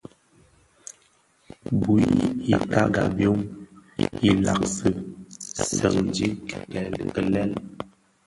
Bui i tagà byom,i làgsi senji kilel.